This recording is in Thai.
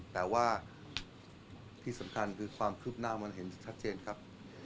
แต่ว่าที่สำคัญคือความคืบหน้ามันเห็นชัดเจนครับ